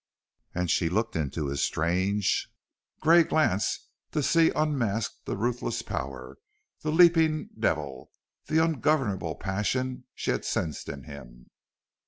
And she looked into his strange, gray glance to see unmasked the ruthless power, the leaping devil, the ungovernable passion she had sensed in him.